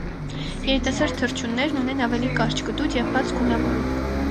Երիտասարդ թռչուններն ունեն ավելի կարճ կտուց և բաց գունավորում։